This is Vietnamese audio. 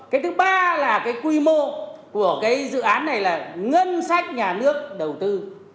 cái thứ ba là cái quy mô của cái dự án này là ngân sách nhà nước đầu tư